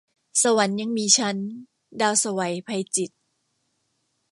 สวรรค์ยังมีชั้น - ดาวไสว ไพจิตร